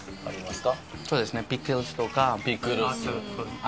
そうですね。